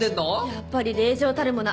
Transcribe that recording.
やっぱり令嬢たるもの